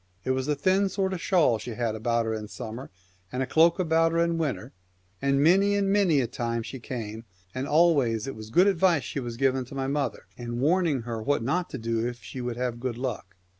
It was a thin sort of shawl she had about her in summer, and a cloak about her in winter ; and many and many a time she came, and always it was good advice she was giving to my mother, and warning her what not to do if she would have good luck.